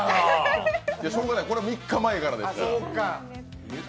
しようがない、これ３日前からですから。